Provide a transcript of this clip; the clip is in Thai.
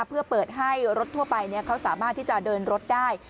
เพื่อเปิดให้รถทั่วไปเขาสามารถที่จะเดินรถได้